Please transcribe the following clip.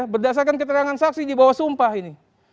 berdasarkan keterangan saksi di bawah sumpah ini